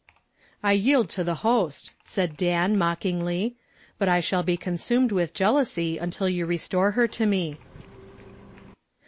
"I yield to the host," said Dan, mockingly. "But I shall be consumed with jealousy until you restore her to me."